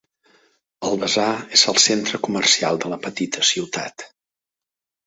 El basar és el centre comercial de la petita ciutat.